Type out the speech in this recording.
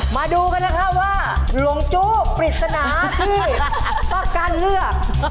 มาดูกันแล้วค่ะว่าหลวงจุปริศนาที่ฟ้ากันเลือก